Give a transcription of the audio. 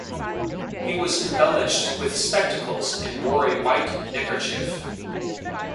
He was embellished with spectacles, and wore a white neckerchief.